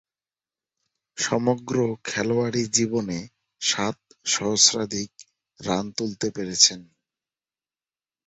সমগ্র খেলোয়াড়ী জীবনে সাত সহস্রাধিক রান তুলতে পেরেছেন।